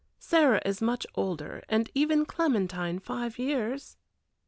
Sarah is much older, and even Clementine five years."